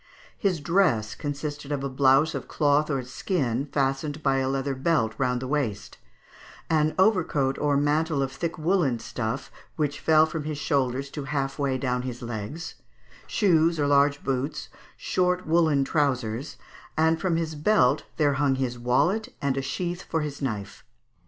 His dress consisted of a blouse of cloth or skin fastened by a leather belt round the waist, an overcoat or mantle of thick woollen stuff, which fell from his shoulders to half way down his legs; shoes or large boots, short woollen trousers, and from his belt there hung his wallet and a sheath for his knife (Figs.